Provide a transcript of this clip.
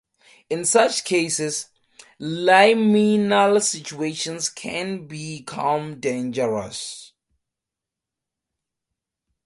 In such cases, liminal situations can become dangerous.